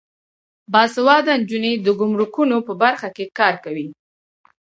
باسواده نجونې د ګمرکونو په برخه کې کار کوي.